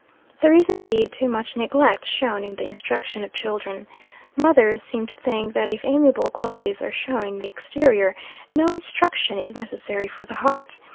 There is, indeed, too much neglect shown in the instruction of children. Mothers seem to think, that if amiable qualities are shown in the exterior, no instruction is necessary for the heart.